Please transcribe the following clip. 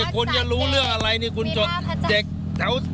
นี่คุณอย่ารู้เรื่องอะไรนี่คุณเด็กแถวจุฬา